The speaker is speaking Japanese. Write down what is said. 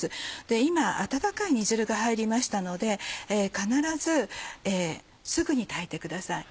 今温かい煮汁が入りましたので必ずすぐに炊いてください。